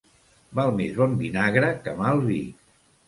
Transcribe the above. Val més bon vinagre que mal vi.